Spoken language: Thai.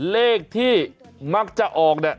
เลขที่มักจะออกเนี่ย